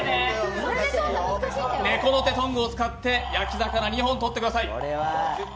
ネコの手トングを使ってネコの手２本を取ってください。